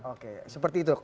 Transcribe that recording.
oke seperti itu